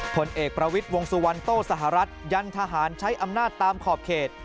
ผลเอกประวิทย์วงสุวรรณโต้สหรัฐยันทหารใช้อำนาจตามขอบเขต